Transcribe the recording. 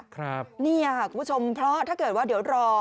ครับนี่ค่ะคุณผู้ชมเพราะถ้าเกิดว่าเดี๋ยวรอ